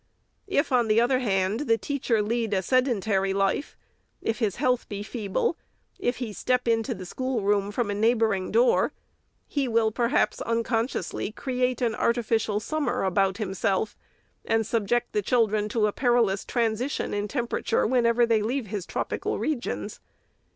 If, on the other hand, the teacher lead a sedentary life ; if his health be feeble ; if he step into the schoolroom from a neighboring door, he will, perhaps unconsciously, create an artificial summer about himself, and subject the children to a perilous tran sition in temperature, whenever they leave his tropical regions.